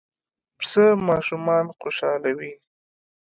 پسه ماشومان خوشحالوي.